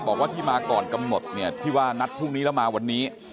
บอกว่าที่มาก่อนกำหนดเนี่ยที่ว่านัดพรุ่งนี้แล้วมาวันนี้